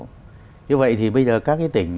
như vậy thì bây giờ các cái tỉnh